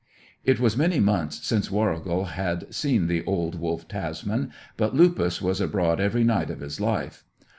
It was many months since Warrigal had seen the old wolf Tasman, but Lupus was abroad every night of his life.